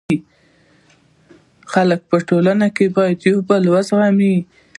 خلک باید په ټولنه کي یو بل و زغمي.